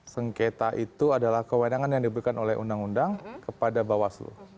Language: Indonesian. sengketa itu adalah kewenangan yang diberikan oleh undang undang kepada bawaslu